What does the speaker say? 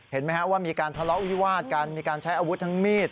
เห็นไหมครับว่ามีการทะเลาะวิวาดกันมีการใช้อาวุธทั้งมีด